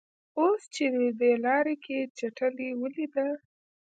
اوس چې مې دې لاره کې چټلي ولیده.